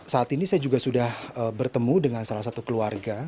saat ini saya juga sudah bertemu dengan salah satu keluarga